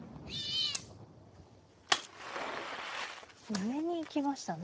上に行きましたね。